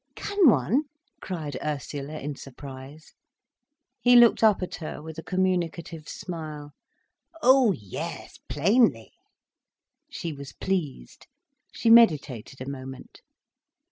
"Can one?" cried Ursula in surprise. He looked up at her with a communicative smile. "Oh yes, plainly." She was pleased. She meditated a moment.